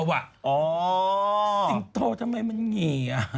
สิงโตทำไมมันแบบนี้